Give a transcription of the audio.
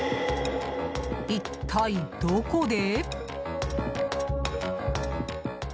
一体どこで？